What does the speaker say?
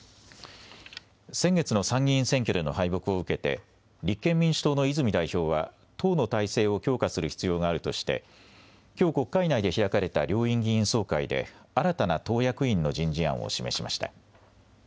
先月の参議院選挙での敗北を受けて、立憲民主党の泉代表は、党の体制を強化する必要があるとして、きょう国会内で開かれた両院議員総会で、新たな党役員の人事案を示しました。